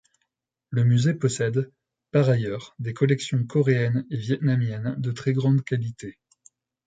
Le musée possède, par ailleurs, des collections coréennes et vietnamiennes de très grande qualité.